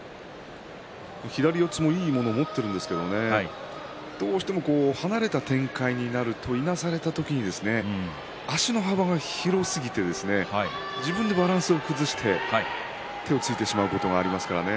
左四つもいいもの持っているんですが、どうしても離れた展開になるといなされた時に足の幅が広すぎて自分でバランスを崩して手をついてしまうことがありますからね。